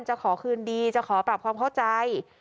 จะขอคืนดีจะขอปรับความเข้าใจ